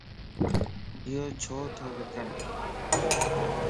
ايو ڇو تو وڪڻ؟